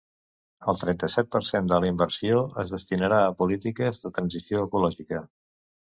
El trenta-set per cent de la inversió es destinarà a polítiques de transició ecològica.